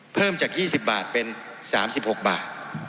เพิ่มจาก๒๐บาทเป็น๓๖บาท